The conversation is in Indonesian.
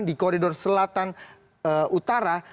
di koridor selatan utara